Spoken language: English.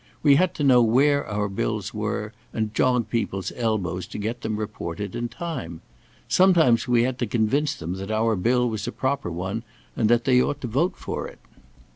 We had to know where our bills were, and jog people's elbows to get them reported in time. Sometimes we had to convince them that our bill was a proper one, and they ought to vote for it.